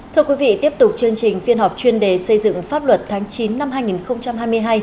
thưa quý vị tiếp tục chương trình phiên họp chuyên đề xây dựng pháp luật tháng chín năm hai nghìn hai mươi hai